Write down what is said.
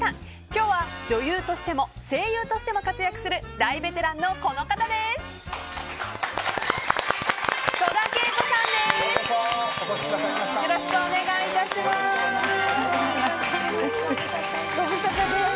今日は女優としても声優としても活躍する大ベテランのこの方です。